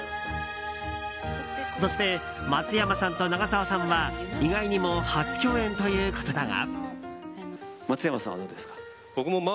そして松山さんと長澤さんは意外にも初共演ということだが。